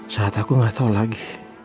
saat aku nggak tahu lagi